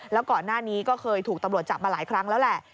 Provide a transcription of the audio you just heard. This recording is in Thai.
แล้วก่อนหน้านี้ก็เคยถูกตำรวจจับมาหลายครั้งแล้วแหละ